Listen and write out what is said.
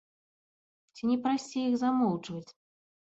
Ці не прасцей іх замоўчваць?